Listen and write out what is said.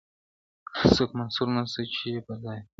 څوک منصور نسته چي یې په دار کي -